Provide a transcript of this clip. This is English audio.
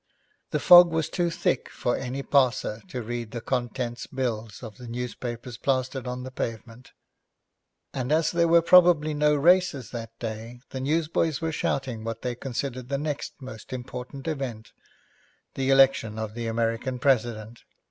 The fog was too thick for any passer to read the contents bills of the newspapers plastered on the pavement, and as there were probably no races that day the newsboys were shouting what they considered the next most important event the election of an American President.